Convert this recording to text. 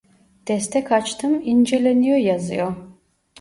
Destek açtım inceleniyor yazıyor